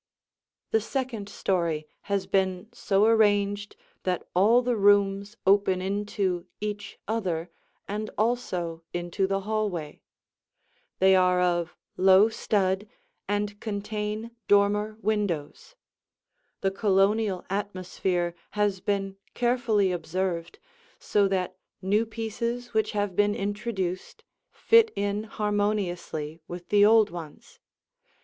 The second story has been so arranged that all the rooms open into each other and also into the hallway. They are of low stud and contain dormer windows. The Colonial atmosphere has been carefully observed, so that new pieces which have been introduced fit in harmoniously with the old ones.